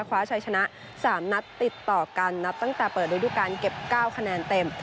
คว้าชัยชนะ๓นัดติดต่อกันนัดตั้งแต่เปิดฤดูการเก็บ๙คะแนนเต็ม